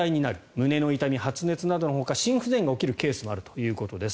胸の痛み、発熱などのほか心不全が起きるケースもあるということです。